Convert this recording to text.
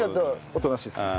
おとなしいですね。